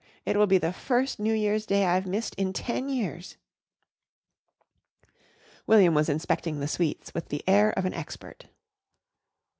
It will be the first New Year's Day I've missed in ten years." William was inspecting the sweets with the air of an expert.